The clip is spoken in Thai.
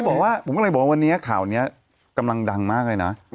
ผมกำลังบอกวันนี้ข่าวนี้กำลังดังมากเลยนะ